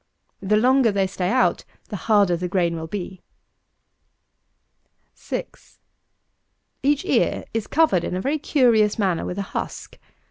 The longer they stay out, the harder the grain will be. 6. Each ear is covered in a very curious manner with a husk.